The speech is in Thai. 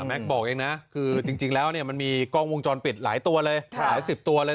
บอกเองนะคือจริงแล้วเนี่ยมันมีกล้องวงจรปิดหลายตัวเลยหลายสิบตัวเลย